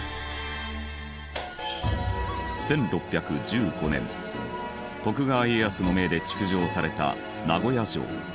１６１５年徳川家康の命で築城された名古屋城。